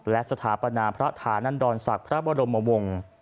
และสถาปนาพระธานันดรศักดิ์พระบรมวงศ์